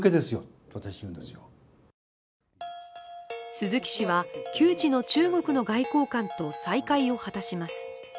鈴木氏は、旧知の中国の外交官と再会を果たします。